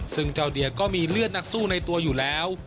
ซึ่งเจ้าเดียก็มีเลือดนักสู้ในตัวอยู่แล้ว